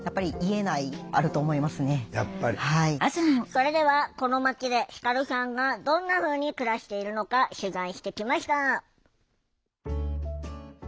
それではこの町で輝さんがどんなふうに暮らしているのか取材してきました。